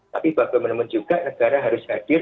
tapi bagaimanapun juga negara harus hadir